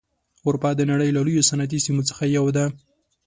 اروپا د نړۍ له لویو صنعتي سیمو څخه یوه ده.